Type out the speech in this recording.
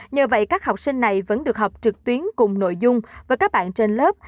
nhờ vậy các học sinh này vẫn được học trực tuyến cùng nội dung với các bạn trên lớp